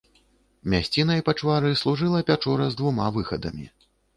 Мясцінай пачвары служыла пячора з двума выхадамі.